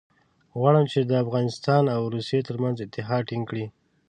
غواړي چې د افغانستان او روسیې ترمنځ اتحاد ټینګ کړي.